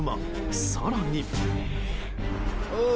更に。